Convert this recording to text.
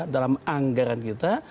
dalam anggaran kita